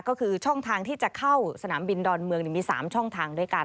ก็คือช่องทางที่จะเข้าสนามบินดอนเมืองมี๓ช่องทางด้วยกัน